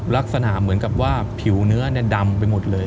ลักษณะเหมือนกับว่าผิวเนื้อดำไปหมดเลย